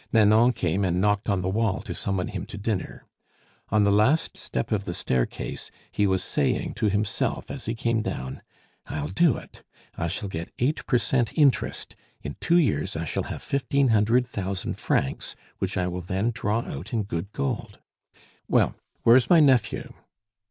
Nanon came and knocked on the wall to summon him to dinner. On the last step of the staircase he was saying to himself as he came down, "I'll do it; I shall get eight per cent interest. In two years I shall have fifteen hundred thousand francs, which I will then draw out in good gold, Well, where's my nephew?"